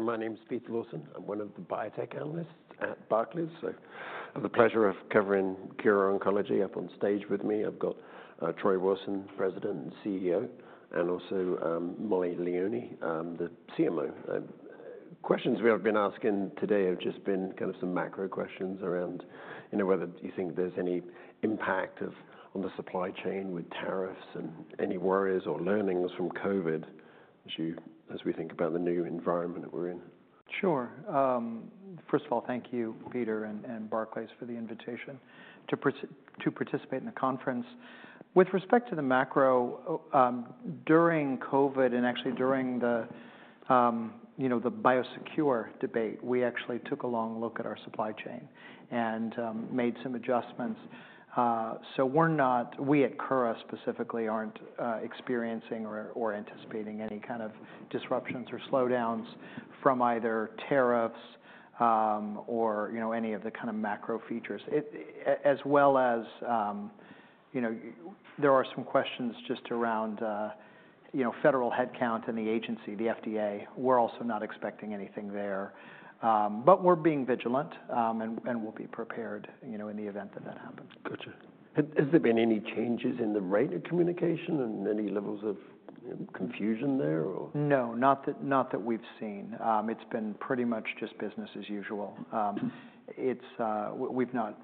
My name's Pete Lawson. I'm one of the biotech analysts at Barclays. I have the pleasure of covering Kura Oncology. Up on stage with me, I've got Troy Wilson, President and CEO, and also Mollie Leoni, the CMO. Questions we have been asking today have just been kind of some macro questions around, you know, whether you think there's any impact on the supply chain with tariffs and any worries or learnings from COVID as we think about the new environment that we're in. Sure. First of all, thank you, Peter and Barclays, for the invitation to participate in the conference. With respect to the macro, during COVID and actually during the, you know, the BIOSECURE debate, we actually took a long look at our supply chain and made some adjustments. We at Kura specifically are not experiencing or anticipating any kind of disruptions or slowdowns from either tariffs or, you know, any of the kind of macro features, as well as, you know, there are some questions just around, you know, federal headcount and the agency, the FDA. We are also not expecting anything there, but we are being vigilant and will be prepared, you know, in the event that that happens. Gotcha. Has there been any changes in the rate of communication and any levels of confusion there? No, not that we've seen. It's been pretty much just business as usual. We've not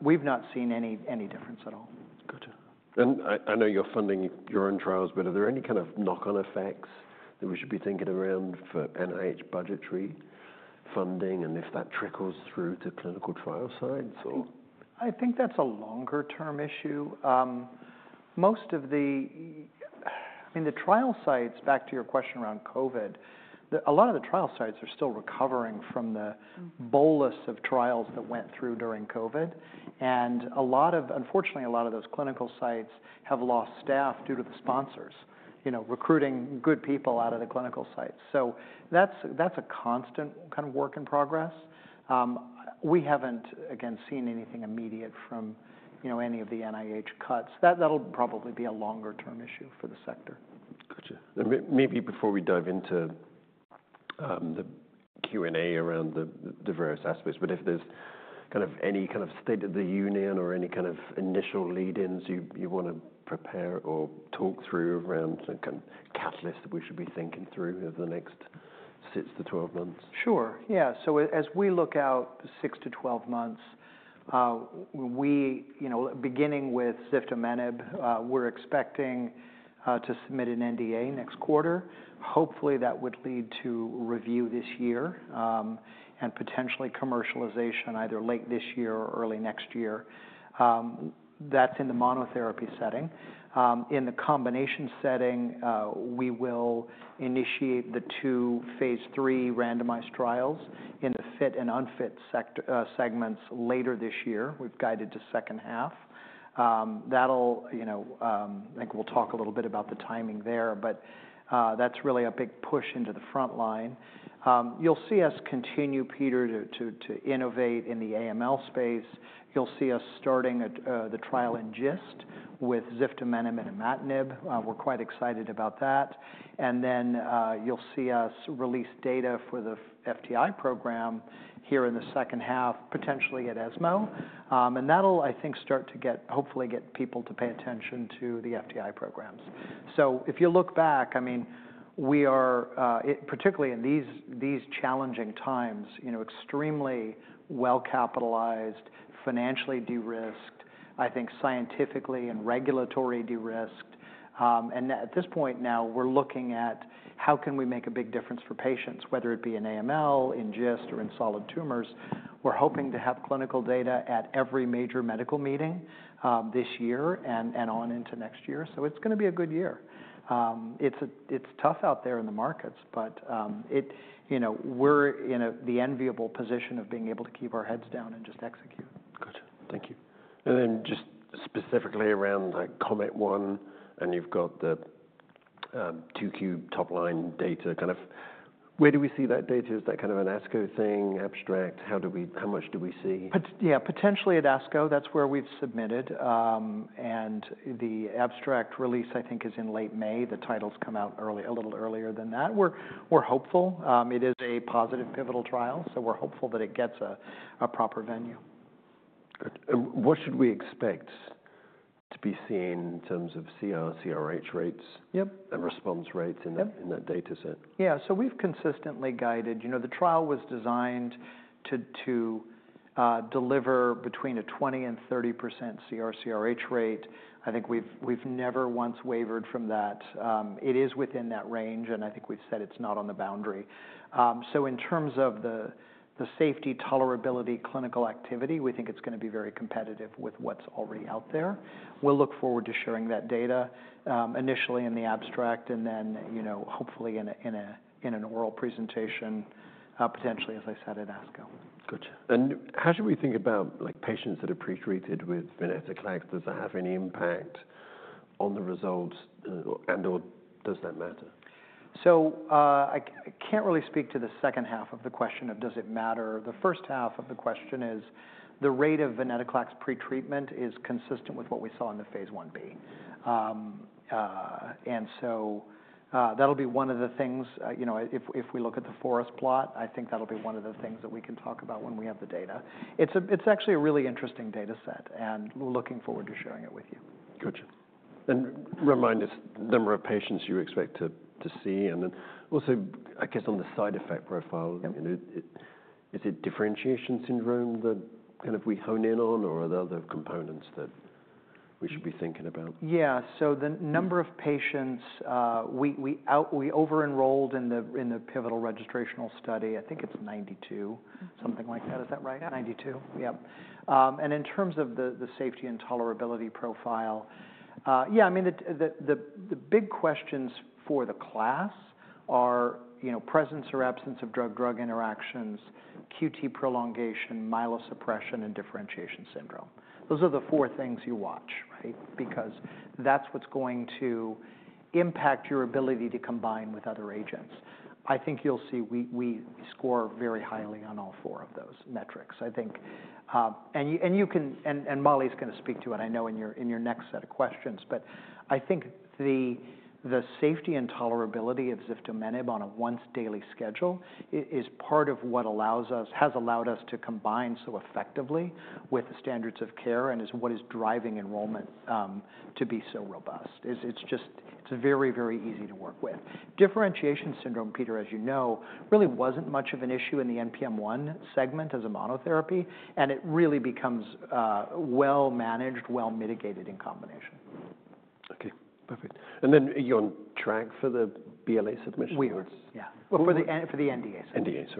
seen any difference at all. Gotcha. I know you're funding your own trials, but are there any kind of knock-on effects that we should be thinking around for NIH budgetary funding and if that trickles through to clinical trial sites? I think that's a longer-term issue. Most of the, I mean, the trial sites, back to your question around COVID, a lot of the trial sites are still recovering from the bolus of trials that went through during COVID. A lot of, unfortunately, a lot of those clinical sites have lost staff due to the sponsors, you know, recruiting good people out of the clinical sites. That is a constant kind of work in progress. We haven't, again, seen anything immediate from, you know, any of the NIH cuts. That will probably be a longer-term issue for the sector. Gotcha. Maybe before we dive into the Q&A around the various aspects, if there's kind of any kind of state of the union or any kind of initial lead-ins you want to prepare or talk through around some kind of catalyst that we should be thinking through over the next 6 to 12 months? Sure. Yeah. As we look out six to twelve months, we, you know, beginning with ziftomenib, we're expecting to submit an NDA next quarter. Hopefully that would lead to review this year and potentially commercialization either late this year or early next year. That's in the monotherapy setting. In the combination setting, we will initiate the two-phase III randomized trials in the fit and unfit segments later this year. We've guided to second half. That'll, you know, I think we'll talk a little bit about the timing there, but that's really a big push into the front line. You'll see us continue, Peter, to innovate in the AML space. You'll see us starting the trial in GIST with ziftomenib and imatinib. We're quite excited about that. You'll see us release data for the FTI program here in the second half, potentially at ESMO. That'll, I think, start to get, hopefully get people to pay attention to the FTI programs. If you look back, I mean, we are, particularly in these challenging times, you know, extremely well-capitalized, financially de-risked, I think scientifically and regulatory de-risked. At this point now, we're looking at how can we make a big difference for patients, whether it be in AML, in GIST, or in solid tumors. We're hoping to have clinical data at every major medical meeting this year and on into next year. It's going to be a good year. It's tough out there in the markets, but it, you know, we're in the enviable position of being able to keep our heads down and just execute. Gotcha. Thank you. Just specifically around Komet-001 and you've got the 2 top line data, kind of where do we see that data? Is that kind of an ASCO thing, abstract? How do we, how much do we see? Yeah, potentially at ASCO, that's where we've submitted. The abstract release, I think, is in late May. The titles come out a little earlier than that. We're hopeful. It is a positive pivotal trial, so we're hopeful that it gets a proper venue. What should we expect to be seeing in terms of CR/CRh rates and response rates in that data set? Yeah. So we've consistently guided, you know, the trial was designed to deliver between a 20%-30% CR/CRh rate. I think we've never once wavered from that. It is within that range, and I think we've said it's not on the boundary. In terms of the safety, tolerability, and clinical activity, we think it's going to be very competitive with what's already out there. We'll look forward to sharing that data initially in the abstract and then, you know, hopefully in an oral presentation, potentially, as I said, at ASCO. Gotcha. How should we think about, like, patients that are pretreated with venetoclax? Does that have any impact on the results and/or does that matter? I can't really speak to the second half of the question of does it matter. The first half of the question is the rate of venetoclax pretreatment is consistent with what we saw in the phase I-B. That'll be one of the things, you know, if we look at the forest plot, I think that'll be one of the things that we can talk about when we have the data. It's actually a really interesting data set, and we're looking forward to sharing it with you. Gotcha. Remind us the number of patients you expect to see. I guess on the side effect profile, is it differentiation syndrome that kind of we hone in on, or are there other components that we should be thinking about? Yeah. The number of patients, we over-enrolled in the pivotal registrational study. I think it's 92, something like that. Is that right? 92. Yep. In terms of the safety and tolerability profile, yeah, I mean, the big questions for the class are, you know, presence or absence of drug-drug interactions, QT prolongation, myelosuppression, and differentiation syndrome. Those are the four things you watch, right? Because that's what's going to impact your ability to combine with other agents. I think you'll see we score very highly on all four of those metrics, I think. You can, and Mollie's going to speak to it, I know, in your next set of questions, but I think the safety and tolerability of ziftomenib on a once daily schedule is part of what allows us, has allowed us to combine so effectively with the standards of care, and is what is driving enrollment to be so robust. It's just, it's very, very easy to work with. Differentiation syndrome, Peter, as you know, really wasn't much of an issue in the NPM1 segment as a monotherapy, and it really becomes well-managed, well-mitigated in combination. Okay. Perfect. You're on track for the BLA submission? We are, yeah, for the NDA submission. NDA,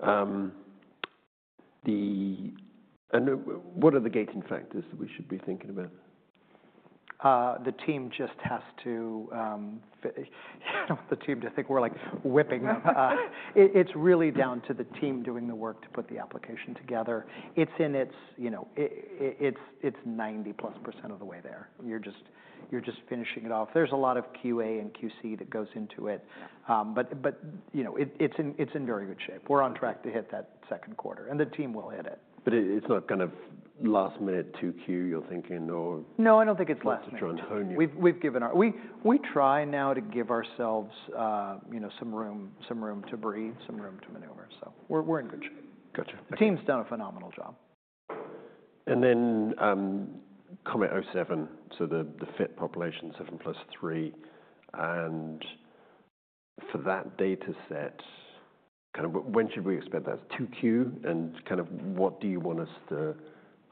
sorry. What are the gating factors that we should be thinking about? The team just has to, you know, the team to think we're like whipping them. It's really down to the team doing the work to put the application together. It's in its, you know, it's 90+% of the way there. You're just finishing it off. There's a lot of QA and QC that goes into it, but, you know, it's in very good shape. We're on track to hit that second quarter, and the team will hit it. It's not kind of last-minute 2Q, you're thinking, or? No, I don't think it's last-minute. We've given our, we try now to give ourselves, you know, some room, some room to breathe, some room to maneuver. We're in good shape. The team's done a phenomenal job. Komet-007, so the fit population, seven plus three, and for that data set, kind of when should we expect that? It's 2Q, and kind of what do you want us to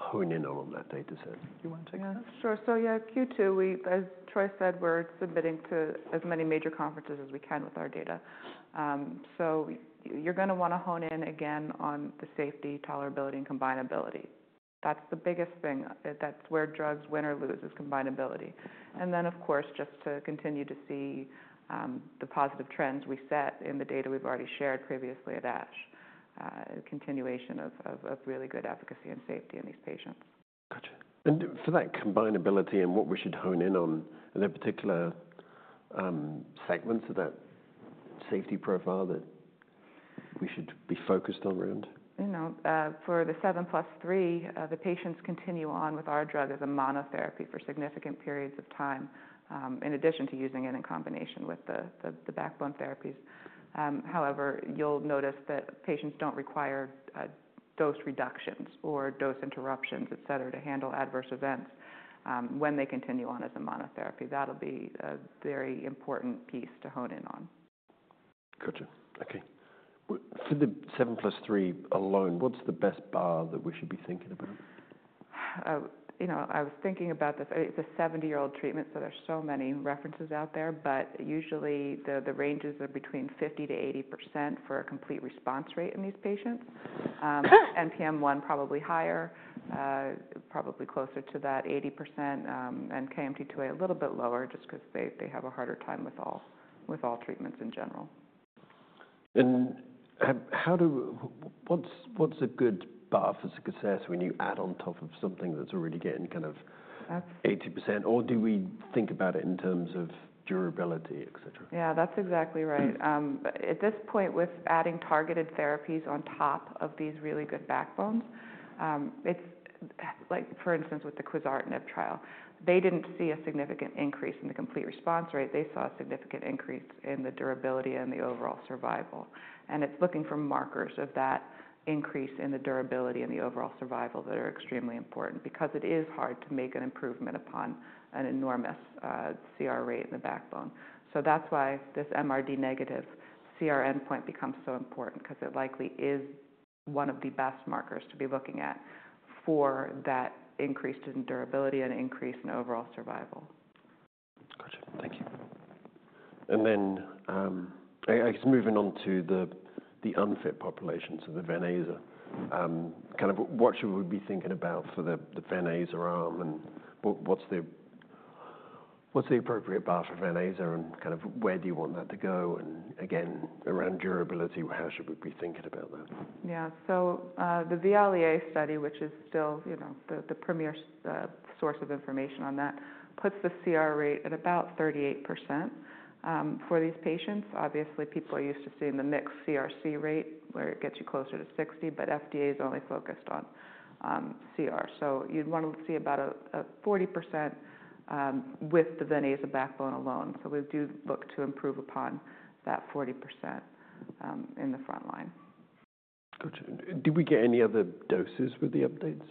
hone in on that data set? You want to expect? Sure. Yeah, Q2, as Troy said, we're submitting to as many major conferences as we can with our data. You're going to want to hone in again on the safety, tolerability, and combinability. That's the biggest thing. That's where drugs win or lose is combinability. Of course, just to continue to see the positive trends we set in the data we've already shared previously at ASH, continuation of really good efficacy and safety in these patients. Gotcha. For that combinability and what we should hone in on, are there particular segments of that safety profile that we should be focused on around? You know, for the 7+3, the patients continue on with our drug as a monotherapy for significant periods of time, in addition to using it in combination with the backbone therapies. However, you'll notice that patients don't require dose reductions or dose interruptions, et cetera, to handle adverse events when they continue on as a monotherapy. That'll be a very important piece to hone in on. Gotcha. Okay. For the 7+3 alone, what's the best bar that we should be thinking about? You know, I was thinking about this. It's a 70-year-old treatment, so there's so many references out there, but usually the ranges are between 50-80% for a complete response rate in these patients. NPM1 probably higher, probably closer to that 80%, and KMT2A a little bit lower just because they have a harder time with all treatments in general. How do, what's a good bar for success when you add on top of something that's already getting kind of 80%, or do we think about it in terms of durability, et cetera? Yeah, that's exactly right. At this point, with adding targeted therapies on top of these really good backbones, it's like, for instance, with the quizartinib trial, they didn't see a significant increase in the complete response rate. They saw a significant increase in the durability and the overall survival. It is looking for markers of that increase in the durability and the overall survival that are extremely important because it is hard to make an improvement upon an enormous CR rate in the backbone. That's why this MRD-negative CR endpoint becomes so important because it likely is one of the best markers to be looking at for that increase in durability and increase in overall survival. Gotcha. Thank you. I guess moving on to the unfit population, so the Ven/Aza, kind of what should we be thinking about for the Ven/Aza arm and what's the appropriate bar forVen/Aza and kind of where do you want that to go? Again, around durability, how should we be thinking about that? Yeah. The VIALE-A study, which is still, you know, the premier source of information on that, puts the CR rate at about 38% for these patients. Obviously, people are used to seeing the mixed CRc rate where it gets you closer to 60%, but FDA is only focused on CR. You'd want to see about 40% with the Ven/Aza backbone alone. We do look to improve upon that 40% in the front line. Gotcha. Did we get any other doses with the updates?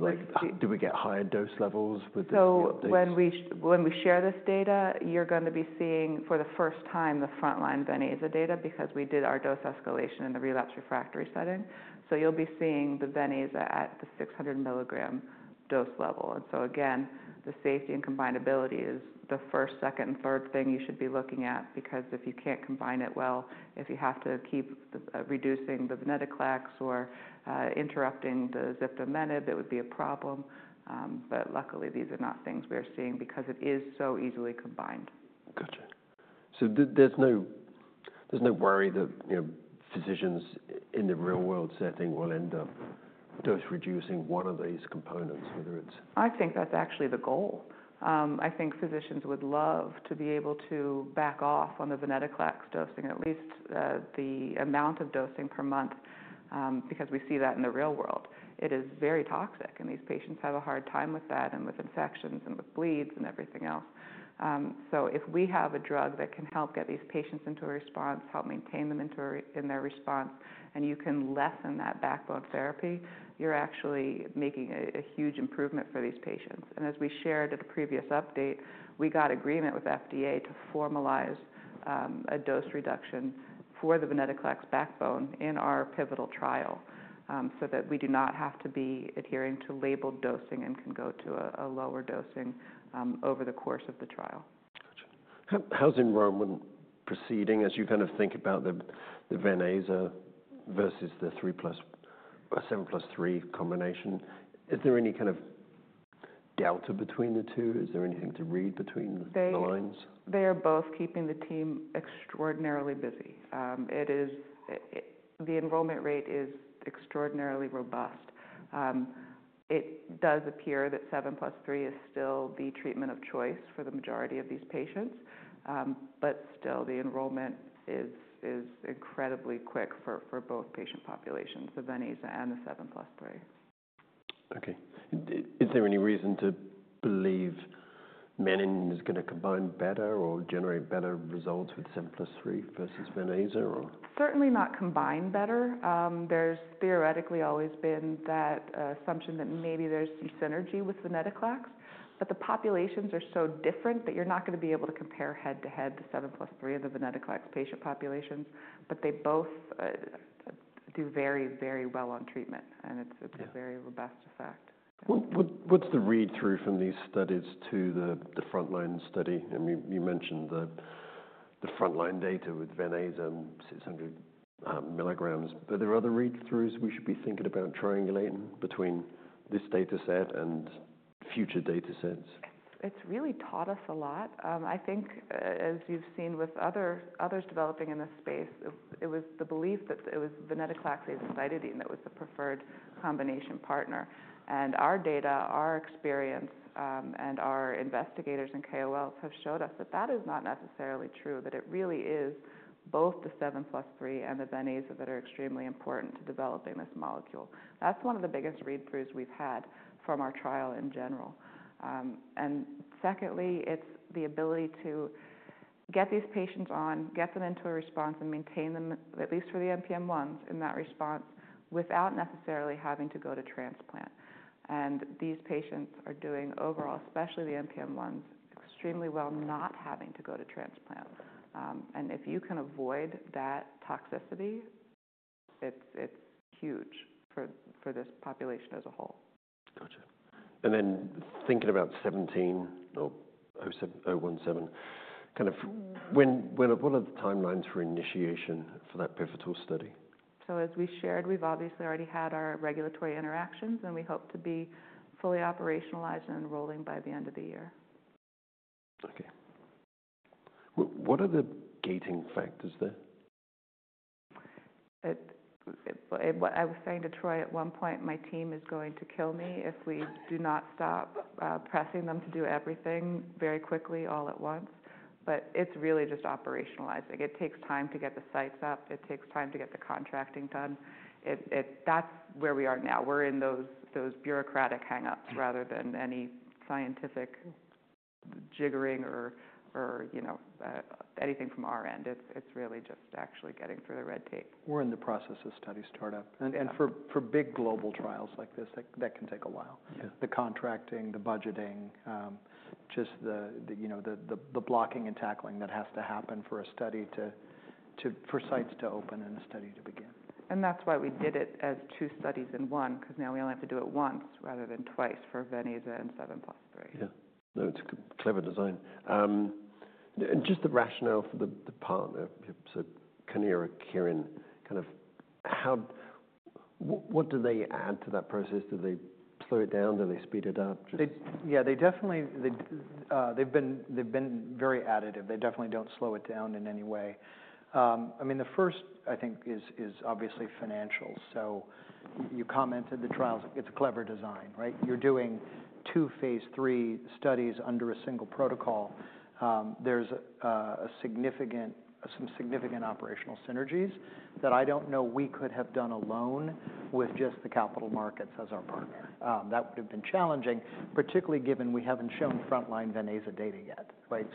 Like, did we get higher dose levels with the updates? When we share this data, you're going to be seeing for the first time the front-line Ven/Aza data because we did our dose escalation in the relapse refractory setting. You'll be seeing the Ven/Aza at the 600 mg dose level. Again, the safety and combinability is the first, second, and third thing you should be looking at because if you can't combine it well, if you have to keep reducing the venetoclax or interrupting the ziftomenib, it would be a problem. Luckily, these are not things we're seeing because it is so easily combined. Gotcha. There is no worry that, you know, physicians in the real world setting will end up dose reducing one of these components, whether it's. I think that's actually the goal. I think physicians would love to be able to back off on the venetoclax dosing, at least the amount of dosing per month, because we see that in the real world. It is very toxic, and these patients have a hard time with that and with infections and with bleeds and everything else. If we have a drug that can help get these patients into a response, help maintain them in their response, and you can lessen that backbone therapy, you're actually making a huge improvement for these patients. As we shared at a previous update, we got agreement with FDA to formalize a dose reduction for the venetoclax backbone in our pivotal trial so that we do not have to be adhering to labeled dosing and can go to a lower dosing over the course of the trial. Gotcha. How's enrollment proceeding as you kind of think about the Ven/Aza versus the 7+3 combination? Is there any kind of delta between the two? Is there anything to read between the lines? They are both keeping the team extraordinarily busy. It is, the enrollment rate is extraordinarily robust. It does appear that 7+3 is still the treatment of choice for the majority of these patients, but still the enrollment is incredibly quick for both patient populations, the Ven/Aza and the 7+3. Okay. Is there any reason to believe menin is going to combine better or generate better results with 7+3 versus Ven/Aza, or? Certainly not combine better. There's theoretically always been that assumption that maybe there's some synergy with venetoclax, but the populations are so different that you're not going to be able to compare head to head the 7+3 of the venetoclax patient populations, but they both do very, very well on treatment, and it's a very robust effect. What's the read-through from these studies to the front-line study? I mean, you mentioned the front-line data with Ven/Aza and 600 milligrams, but are there other read-throughs we should be thinking about triangulating between this data set and future data sets? It's really taught us a lot. I think, as you've seen with others developing in this space, it was the belief that it was venetoclax and azacitidine that was the preferred combination partner. Our data, our experience, and our investigators and KOLs have showed us that that is not necessarily true, that it really is both the 7+3 and the Ven/Aza that are extremely important to developing this molecule. That's one of the biggest read-throughs we've had from our trial in general. Secondly, it's the ability to get these patients on, get them into a response, and maintain them, at least for the NPM1s, in that response without necessarily having to go to transplant. These patients are doing overall, especially the NPM1s, extremely well not having to go to transplant. If you can avoid that toxicity, it's huge for this population as a whole. Gotcha. And then thinking about 17 or 017, kind of what are the timelines for initiation for that pivotal study? As we shared, we've obviously already had our regulatory interactions, and we hope to be fully operationalized and enrolling by the end of the year. Okay. What are the gating factors there? I was saying to Troy at one point, my team is going to kill me if we do not stop pressing them to do everything very quickly, all at once. It is really just operationalizing. It takes time to get the sites up. It takes time to get the contracting done. That is where we are now. We are in those bureaucratic hangups rather than any scientific jiggering or, you know, anything from our end. It is really just actually getting through the red tape. We're in the process of study startup. For big global trials like this, that can take a while. The contracting, the budgeting, just the, you know, the blocking and tackling that has to happen for a study to, for sites to open and a study to begin. That is why we did it as two studies in one, because now we only have to do it once rather than twice for Ven/Aza and 7+3. Yeah. No, it's a clever design. And just the rationale for the partner, so Kyowa Kirin, kind of how, what do they add to that process? Do they slow it down? Do they speed it up? Yeah, they definitely, they've been very additive. They definitely don't slow it down in any way. I mean, the first, I think, is obviously financial. You commented the trials, it's a clever design, right? You're doing two phase III studies under a single protocol. There's a significant, some significant operational synergies that I don't know we could have done alone with just the capital markets as our partner. That would have been challenging, particularly given we haven't shown front-line Ven/Aza data yet, right?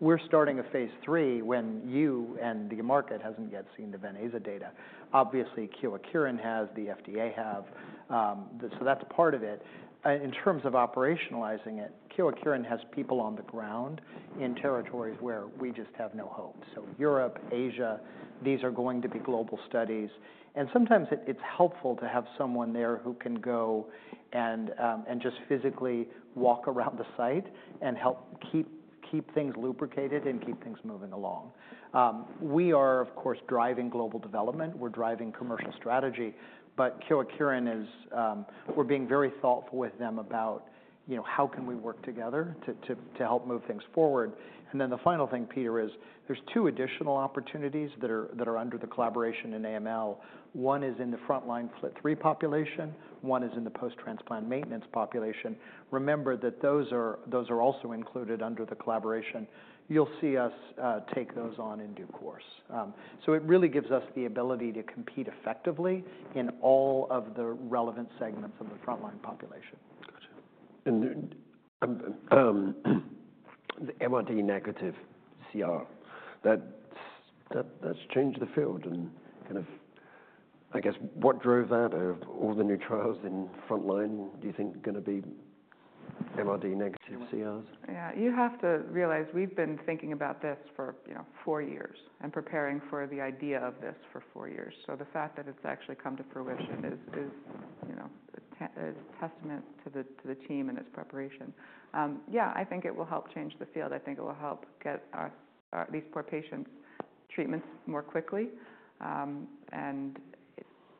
We're starting a phase III when you and the market haven't yet seen the Ven/Aza data. Obviously, Kyowa Kirin has, the FDA has. That's part of it. In terms of operationalizing it, Kyowa Kirin has people on the ground in territories where we just have no hope. Europe, Asia, these are going to be global studies. Sometimes it's helpful to have someone there who can go and just physically walk around the site and help keep things lubricated and keep things moving along. We are, of course, driving global development. We're driving commercial strategy. Kyowa Kirin is, we're being very thoughtful with them about, you know, how can we work together to help move things forward. The final thing, Peter, is there's two additional opportunities that are under the collaboration in AML. One is in the frontline FLT3 population. One is in the post-transplant maintenance population. Remember that those are also included under the collaboration. You'll see us take those on in due course. It really gives us the ability to compete effectively in all of the relevant segments of the front-line population. Gotcha. MRD-negative CR, that's changed the field and kind of, I guess, what drove that or all the new trials in front line, do you think going to be MRD-negative CRs? Yeah. You have to realize we've been thinking about this for, you know, four years and preparing for the idea of this for four years. The fact that it's actually come to fruition is, you know, a testament to the team and its preparation. Yeah, I think it will help change the field. I think it will help get these poor patients treatments more quickly.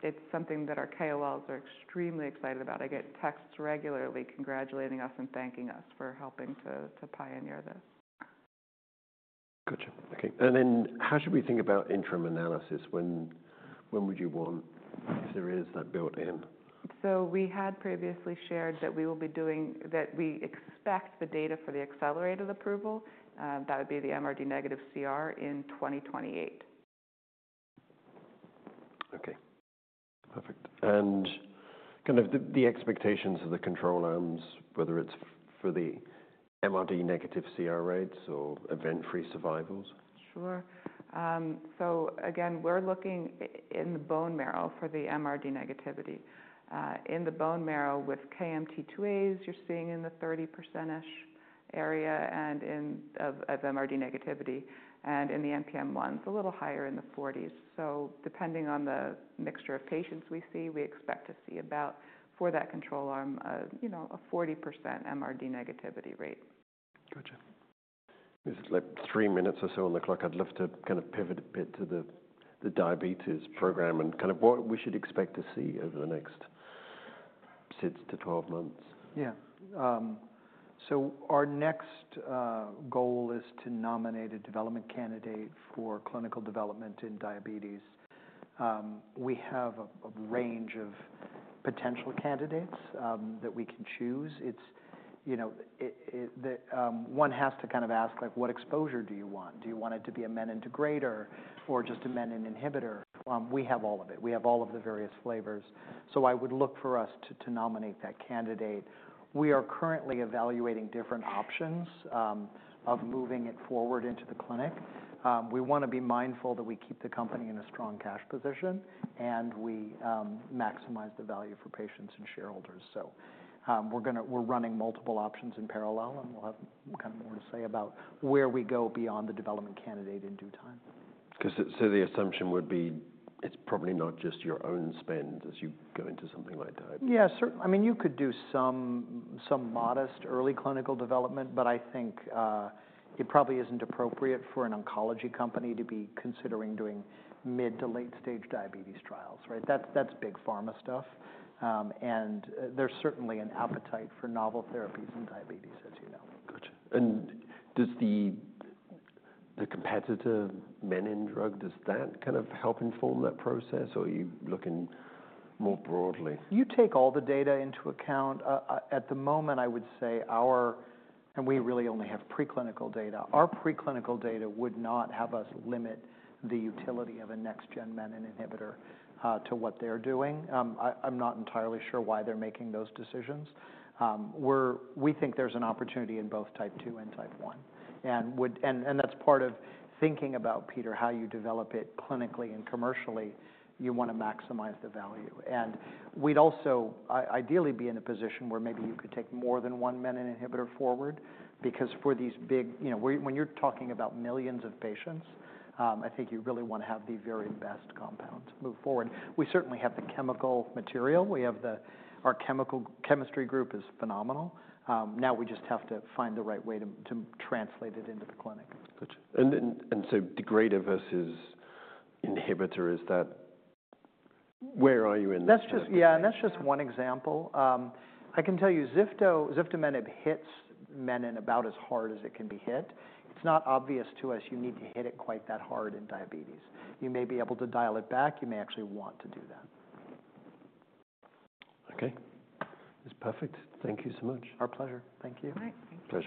It's something that our KOLs are extremely excited about. I get texts regularly congratulating us and thanking us for helping to pioneer this. Gotcha. Okay. How should we think about interim analysis? When would you want, if there is that built in? We had previously shared that we will be doing, that we expect the data for the accelerated approval, that would be the MRD-negative CR in 2028. Okay. Perfect. And kind of the expectations of the control arms, whether it's for the MRD-negative CR rates or event-free survivals? Sure. Again, we're looking in the bone marrow for the MRD negativity. In the bone marrow with KMT2As, you're seeing in the 30%-ish area in terms of MRD negativity. And in the NPM1s, a little higher in the 40s. Depending on the mixture of patients we see, we expect to see about, for that control arm, you know, a 40% MRD negativity rate. Gotcha. This is like three minutes or so on the clock. I'd love to kind of pivot a bit to the diabetes program and kind of what we should expect to see over the next 6 to 12 months. Yeah. Our next goal is to nominate a development candidate for clinical development in diabetes. We have a range of potential candidates that we can choose. It's, you know, one has to kind of ask like what exposure do you want? Do you want it to be a menin degrader or just a menin inhibitor? We have all of it. We have all of the various flavors. I would look for us to nominate that candidate. We are currently evaluating different options of moving it forward into the clinic. We want to be mindful that we keep the company in a strong cash position and we maximize the value for patients and shareholders. We are running multiple options in parallel and we'll have kind of more to say about where we go beyond the development candidate in due time. Because the assumption would be it's probably not just your own spend as you go into something like that. Yeah, certainly. I mean, you could do some modest early clinical development, but I think it probably isn't appropriate for an oncology company to be considering doing mid to late stage diabetes trials, right? That's big pharma stuff. There is certainly an appetite for novel therapies in diabetes, as you know. Gotcha. Does the competitor menin drug, does that kind of help inform that process or are you looking more broadly? You take all the data into account. At the moment, I would say our, and we really only have preclinical data. Our preclinical data would not have us limit the utility of a next gen menin inhibitor to what they're doing. I'm not entirely sure why they're making those decisions. We think there's an opportunity in both type two and type one. That's part of thinking about, Peter, how you develop it clinically and commercially, you want to maximize the value. We'd also ideally be in a position where maybe you could take more than one menin inhibitor forward because for these big, you know, when you're talking about millions of patients, I think you really want to have the very best compounds move forward. We certainly have the chemical material. We have the, our chemical chemistry group is phenomenal. Now we just have to find the right way to translate it into the clinic. Gotcha. Degrader versus inhibitor, is that where are you in the? That's just, yeah, and that's just one example. I can tell you ziftomenib hits menin about as hard as it can be hit. It's not obvious to us you need to hit it quite that hard in diabetes. You may be able to dial it back. You may actually want to do that. Okay. That's perfect. Thank you so much. Our pleasure. Thank you. All right. Thanks, Troy.